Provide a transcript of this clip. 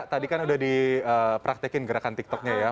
tadi kan udah dipraktekin gerakan tiktoknya ya